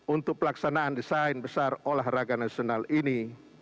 untuk pelaksanaan desain besar olahraga nasional ini